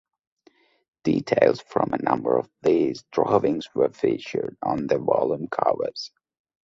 Details from a number of these drawings were featured on the volume covers.